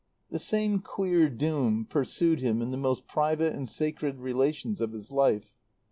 The same queer doom pursued him in the most private and sacred relations of his life.